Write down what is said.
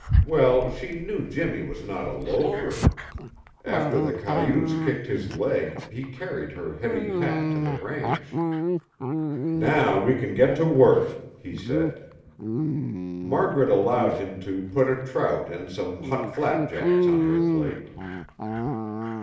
Well, she knew Jimmy was not a loafer; after the cayuse kicked his leg he carried her heavy pack to the ranch. "Now we can get to work," he said. Margaret allowed him to put a trout and some hot flapjacks on her plate.